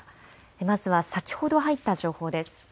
まずは先ほど入った情報です。